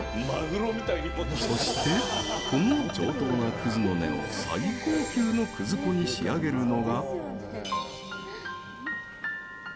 そして、この上等な葛の根を最高級の葛粉に仕上げるのが。